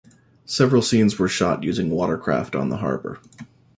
Several scenes were shot using watercraft on the harbor.